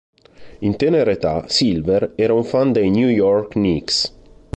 In tenera età, Silver era un fan dei New York Knicks.